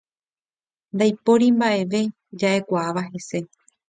Ndaipóri mba'eve ja'ekuaáva hese.